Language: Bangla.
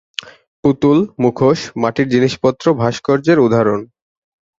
পুতুল, মুখোশ, মাটির জিনিসপত্র ভাস্কর্যের উদাহরণ।